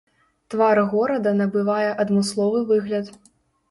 Твар горада набывае адмысловы выгляд.